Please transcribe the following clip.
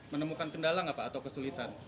menemukan kendala nggak pak atau kesulitan